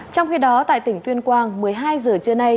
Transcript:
trong khi đó tại tỉnh tuyên quang một mươi hai giờ trưa nay